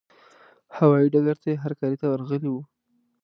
هوايي ډګر ته یې هرکلي ته ورغلي وو.